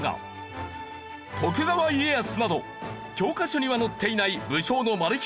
徳川家康など教科書には載っていない武将のマル秘